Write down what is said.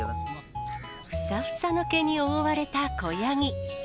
ふさふさの毛に覆われた子ヤギ。